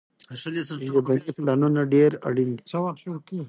ژبني پلانونه ډېر اړين دي.